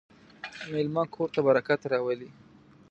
مېلمه کور ته برکت راولي.